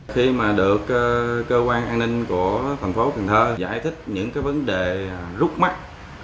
khi mà được cơ quan an ninh của thành phố cần thơ giải thích những cái vấn đề rút mắt